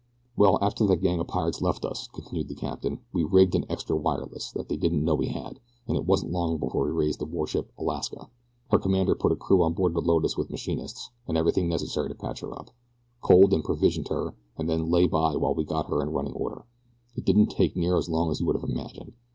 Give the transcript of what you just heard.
"Well, after that gang of pirates left us," continued the captain, "we rigged an extra wireless that they didn't know we had, and it wasn't long before we raised the warship Alaska. Her commander put a crew on board the Lotus with machinists and everything necessary to patch her up coaled and provisioned her and then lay by while we got her in running order. It didn't take near as long as you would have imagined.